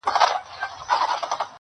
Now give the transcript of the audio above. له هوا به پر هوسۍ حمله کومه٫